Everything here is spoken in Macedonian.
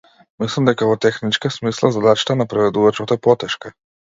Мислам дека во техничка смисла задачата на преведувачот е потешка.